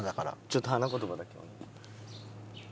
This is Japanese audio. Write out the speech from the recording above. ちょっと花言葉だけ。